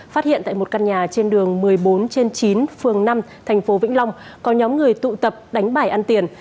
phát hiện tại một căn nhà trên đường một mươi bốn trên chín phường năm thành phố vĩnh long có nhóm người tụ tập đánh bài ăn tiền